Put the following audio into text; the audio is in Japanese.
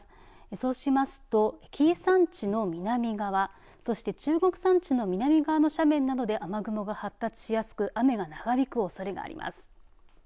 そうしますと紀伊山地の南側、そして中国山地の南側の斜面などで雨雲が発達しやすく雨が長引くおそれがあります。